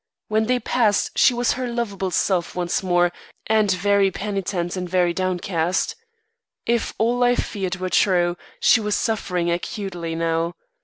When they passed she was her lovable self once more and very penitent and very downcast. If all I feared were true, she was suffering acutely now.